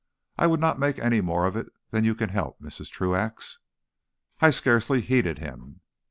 I would not make any more of it than you can help, Mrs. Truax." I scarcely heeded him.